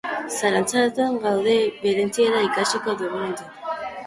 Zalantzatan gaude valentziera ikasiko dugunentz.